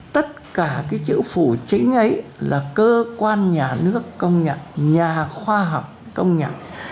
tất cả cái chữ phủ chính ấy là cơ quan nhà nước công nhận nhà khoa học công nghệ